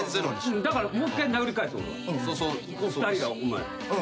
だからもう一回殴り返す俺は。